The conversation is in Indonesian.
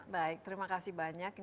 baik terima kasih banyak